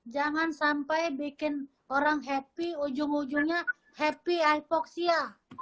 jangan sampai bikin orang happy ujung ujungnya happy hypoxia